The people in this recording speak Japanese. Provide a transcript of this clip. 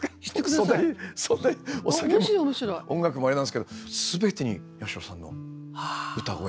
音楽もあれなんですけどすべてに八代さんの歌声声は。